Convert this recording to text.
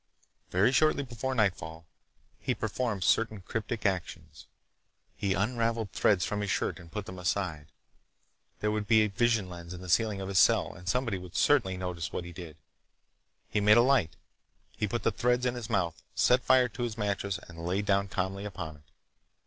Very shortly before nightfall he performed certain cryptic actions. He unraveled threads from his shirt and put them aside. There would be a vision lens in the ceiling of his cell, and somebody would certainly notice what he did. He made a light. He put the threads in his mouth, set fire to his mattress, and laid down calmly upon it.